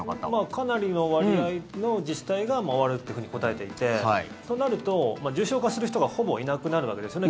かなりの割合の自治体が終わるっていうふうに答えていてとなると、重症化する人がほぼいなくなるわけですよね